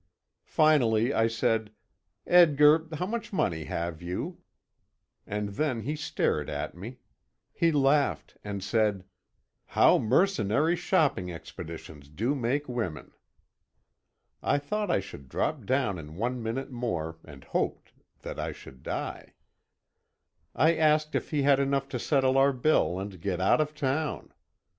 Finally, I said, "Edgar, how much money have you?" And then he stared at me. He laughed, and said: "How mercenary shopping expeditions do make women!" I thought I should drop down in one minute more, and hoped that I should die. I asked if he had enough to settle our bill and get out of town.